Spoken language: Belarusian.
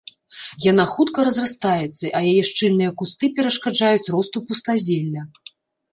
Яна хутка разрастаецца, а яе шчыльныя кусты перашкаджаюць росту пустазелля.